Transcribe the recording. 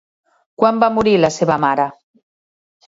Quan va morir la seva mare?